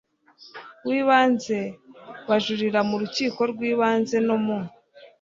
rw ibanze bajurira mu rukiko rw ibanze no mu